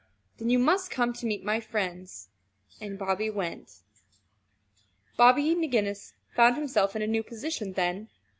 Then you must come to meet my friends." And Bobby went. Bobby McGinnis found himself in a new position then.